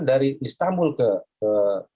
dari istanbul ke ke